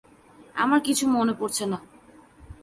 আমার কিছু মনে পরছে না।